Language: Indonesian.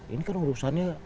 ini kan urusannya